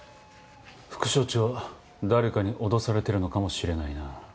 副署長誰かに脅されてるのかもしれないな。